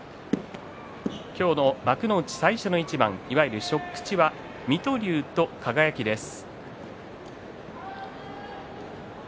今日の幕内、最初の一番いわゆる初口は水戸龍と輝です。